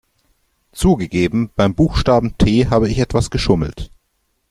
Zugegeben, beim Buchstaben T habe ich etwas geschummelt.